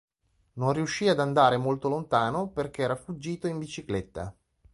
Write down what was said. Non riuscì ad andare molto lontano perché era fuggito in bicicletta.